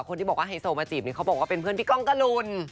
คนที่บอกว่าไฮโซมาจีบเนี่ยเขาบอกว่าเป็นเพื่อนพี่ก้องกะลุน